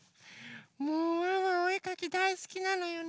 もうワンワンおえかきだいすきなのよね。